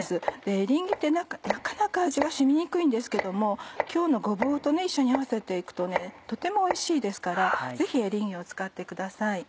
エリンギってなかなか味が染みにくいんですけども今日のごぼうと一緒に合わせて行くととてもおいしいですからぜひエリンギを使ってください。